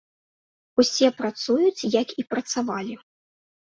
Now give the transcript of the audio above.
Усе працуюць, як і працавалі.